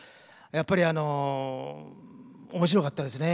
やっぱりあの面白かったですね。